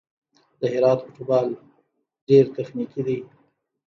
د هرات فوټبال ډېر تخنیکي دی.